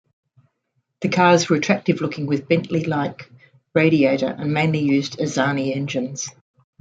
The cars were attractive-looking with a Bentley-like radiator and mainly used Anzani engines.